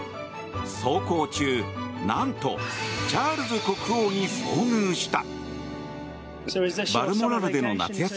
走行中、何とチャールズ国王に遭遇した。